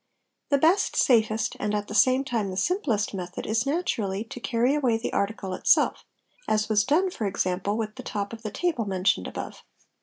The best, safest, and at the same time the simplest method is natu rally to carry away the article itself, as was done, for example, with the top of the table mentioned above.